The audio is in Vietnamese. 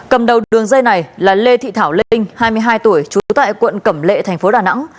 cầm đầu đường dây này là lê thị thảo linh hai mươi hai tuổi trú tại quận cẩm lệ thành phố đà nẵng